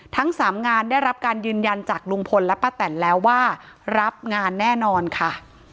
ทั้งสามงานได้รับการยืนยันจากลุงพลและป้าแตนแล้วว่ารับงานแน่นอนค่ะ